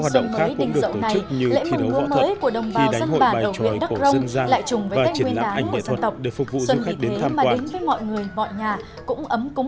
khi trong xuân mới đình dẫu này lễ mừng lúa mới của đồng bào dân bản bài tròi của dân gian lại chùng với cách nguyên đáng của dân tộc để phục vụ du khách đến tham quan